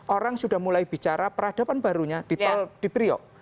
orang sudah mulai bicara peradaban barunya di priok